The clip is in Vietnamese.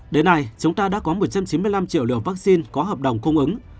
đến nay chúng ta đã có một trăm chín mươi năm triệu liều vaccine có hợp đồng cung ứng